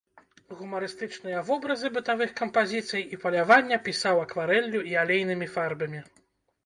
Гумарыстычныя вобразы бытавых кампазіцый і палявання пісаў акварэллю і алейнымі фарбамі.